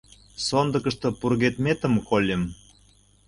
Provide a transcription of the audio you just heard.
Сондыкышто пургедметым кольым.